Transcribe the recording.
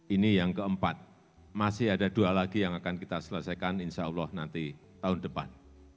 ini yang keempat masih ada dua lagi yang akan kita selesaikan insya allah nanti tahun depan